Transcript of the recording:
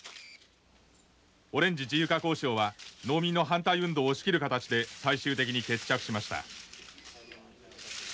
「オレンジ自由化交渉は農民の反対運動を押し切る形で最終的に決着しました」。